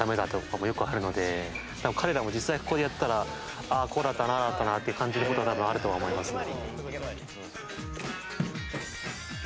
多分彼らも実際ここでやったら「こうだったなああだったな」っていう感じる事は多分あるとは思いますね。